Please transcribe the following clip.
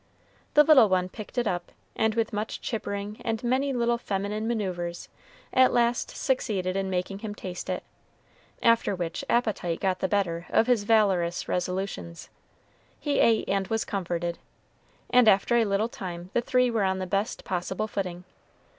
The little one picked it up, and with much chippering and many little feminine manoeuvres, at last succeeded in making him taste it, after which appetite got the better of his valorous resolutions, he ate and was comforted; and after a little time, the three were on the best possible footing.